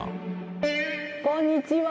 こんにちは！